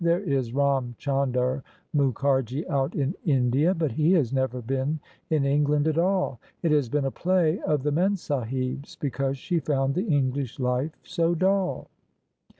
There is Ram Chandar Mukharji out in India, but he has never been in England at all. It has been a play of the Memsahib's because she found the English life 80 dull."